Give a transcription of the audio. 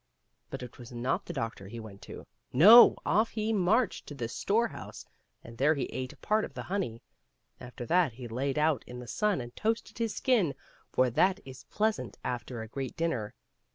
But it was not the doctor he went to ; no, off he marched to the store house, and there he ate part of the honey. After that he laid out in the sun and toasted his skin, for that is pleasant after a great dinner.